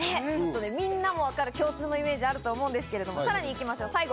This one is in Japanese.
みんなもわかる共通のイメージがあると思うんですけど、さらにいきましょう。